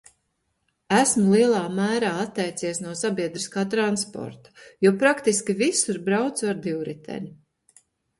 Esmu lielā mērā atteicies no sabiedriskā transporta, jo praktiski visur braucu ar divriteni.